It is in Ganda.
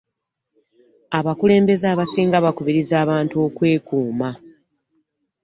Abakulembeze abasinga bakubiriza abantu okwekuuma.